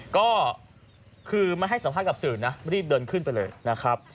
ก็คือไม่ให้สัมภาษณ์กับสื่อนะรีบเดินขึ้นไปเลยนะครับ